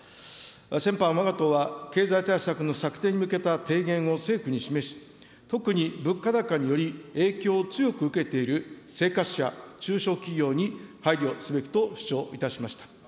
先般、わが党は経済対策の策定に向けた提言を政府に示し、特に物価高により影響を強く受けている生活者、中小企業に配慮すべきと主張いたしました。